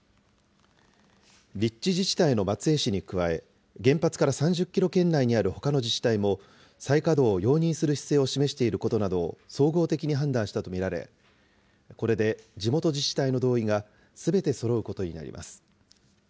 立地自治体の松江市に加え、原発から３０キロ圏内にあるほかの自治体も、再稼働を容認する姿勢を示していることなどを総合的に判断したと見られ、これで地元自治体の同意がすべてそろうことになります。